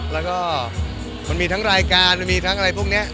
แล้วก็มันมีทั้งรายการมันมีทั้งอะไรพวกนี้